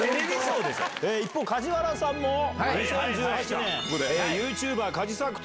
一方梶原さんも。